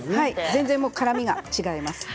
全然からみが違います。